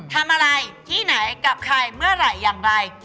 ทำอะไรที่ไหนกับใครเมื่อไหร่อย่างไร